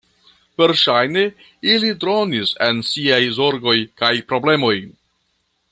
Verŝajne ili dronis en siaj zorgoj kaj problemoj.